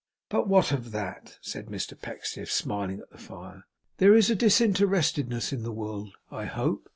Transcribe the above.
'But what of that!' said Mr Pecksniff, still smiling at the fire. 'There is disinterestedness in the world, I hope?